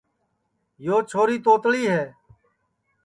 یو چھوری توتلی ہے